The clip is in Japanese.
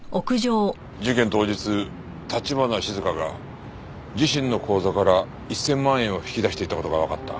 事件当日橘静香が自身の口座から１千万円を引き出していた事がわかった。